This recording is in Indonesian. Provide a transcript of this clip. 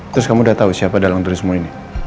terus kamu udah tahu siapa dalam turismo ini